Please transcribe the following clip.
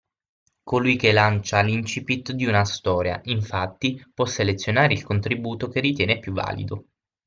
Colui che lancia l’incipit di una storia, infatti, può selezionare il contributo che ritiene più valido